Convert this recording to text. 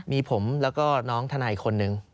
มีผมแล้วก็น้องทนายอีกคนนึง